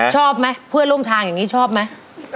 ชอบไหมเพื่อนร่วมทางอย่างนี้ชอบไหม